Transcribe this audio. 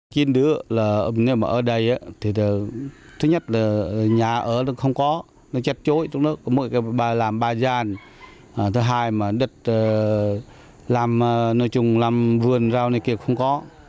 khiến đứa ở đây thứ nhất là nhà ở không có chặt chối làm ba gian thứ hai là đất làm vườn rau này kia không có